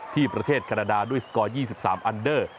ที่ประเทศแคนาดาด้วยสกอร์๒๓อันเดอร์